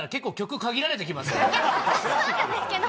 いやそうなんですけど。